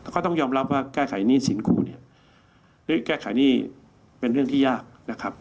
ก็ต้องยอมรับว่าแก้ไขหนี้สินครูเนี่ยหรือแก้ไขหนี้เป็นเรื่องที่ยากนะครับ